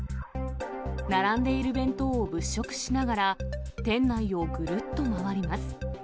並んでいる弁当を物色しながら、店内をぐるっと回ります。